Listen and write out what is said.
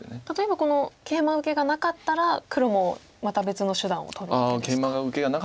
例えばこのケイマ受けがなかったら黒もまた別の手段を取るんですか。